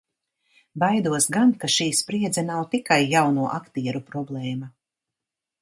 Baidos gan, ka šī spriedze nav tikai jauno aktieru problēma.